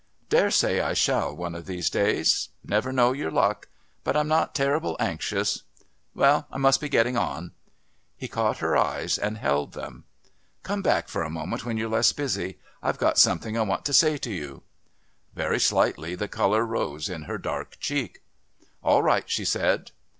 "Daresay I shall one of these days. Never know your luck. But I'm not terrible anxious.... Well, I must be getting on." He caught her eyes and held them. "Come back for a moment when you're less busy. I've got something I want to say to you." Very slightly the colour rose in her dark cheek. "All right," she said.